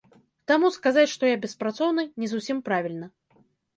Таму сказаць, што я беспрацоўны, не зусім правільна.